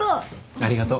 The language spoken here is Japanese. ありがとう。